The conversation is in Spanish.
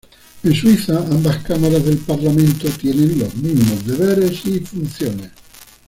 En Suiza ambas cámaras del parlamento tienen los mismos deberes y funciones.